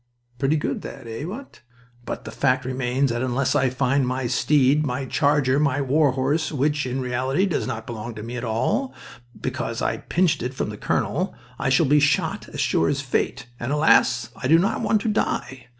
Pretty good that, eh, what? But the fact remains that unless I find my steed, my charger, my war horse, which in reality does not belong to me at all, because I pinched it from the colonel, I shall be shot as sure as fate, and, alas! I do not want to die.